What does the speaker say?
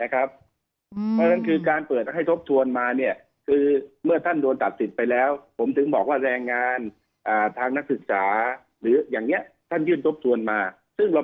ก็ได้รับความเดือดร้อนอยู่เพราะฉะนั้นกระทรวงการทางก็เลยต้องไปดูแลกลุ่มนี้ด